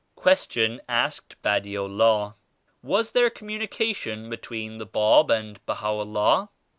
Question asked Badi Ullah: "Was there communication between the Bab and Baha'u^ LLAH?"